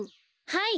はい。